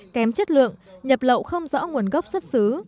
kém chất lượng nhập lậu không rõ nguồn gốc xuất xứ